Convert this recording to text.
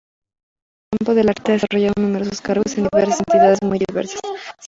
En el campo del arte ha desarrollado numerosos cargos en entidades muy diversas.